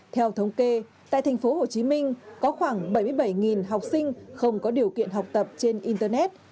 theo thống kê tại thành phố hồ chí minh có khoảng bảy mươi bảy học sinh không có điều kiện học tập trên internet